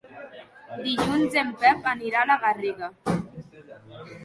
Dilluns en Pep anirà a la Garriga.